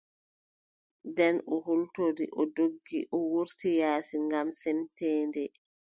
Nden o hultori o doggi o wurti yaasi ngam semteende.